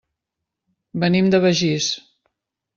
Venim de Begís.